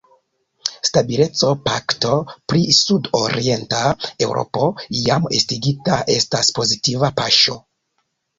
Stabileco-pakto pri sud-orienta Eŭropo, jam estigita, estas pozitiva paŝo.